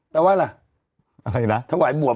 แต่ว่าล่ะทวายบวบ